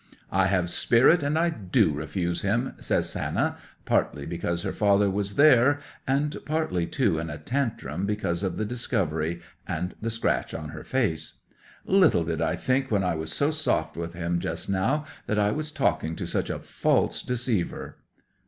'"I have spirit, and I do refuse him!" says Hannah, partly because her father was there, and partly, too, in a tantrum because of the discovery, and the scratch on her face. "Little did I think when I was so soft with him just now that I was talking to such a false deceiver!"